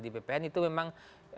di bpn itu memang